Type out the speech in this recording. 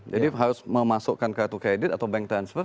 harus memasukkan kartu kredit atau bank transfer